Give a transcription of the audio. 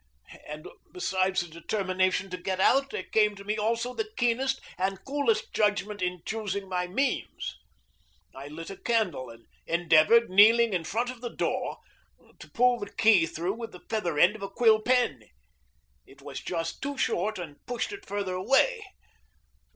And, besides the determination to get out, there came to me, also, the keenest and coolest judgment in choosing my means. I lit a candle and endeavored, kneeling in front of the door, to pull the key through with the feather end of a quill pen. It was just too short and pushed it further away.